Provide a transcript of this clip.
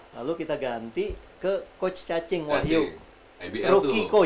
lalu kita ganti ke coach cacing wahyu